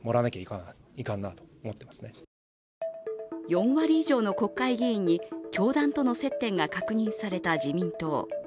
４割以上の国会議員に教団との接点が確認された自民党。